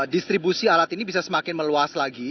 distribusi alat ini bisa semakin meluas lagi